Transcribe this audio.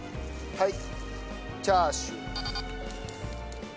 はい。